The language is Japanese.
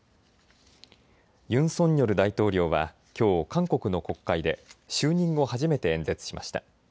ユン・ソンニョル大統領はきょう、韓国の国会で就任後初めて演説しました。